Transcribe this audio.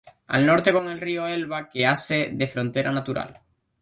Al norte con el río Elba que hace de frontera natural.